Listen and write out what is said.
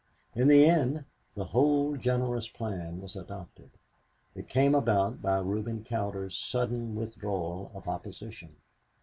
In the end the whole generous plan was adopted. It came about by Reuben Cowder's sudden withdrawal of opposition.